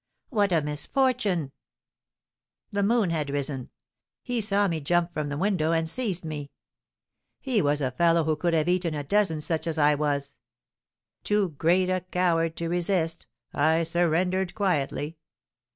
"What a misfortune!" "The moon had risen. He saw me jump from the window and seized me. He was a fellow who could have eaten a dozen such as I was. Too great a coward to resist, I surrendered quietly.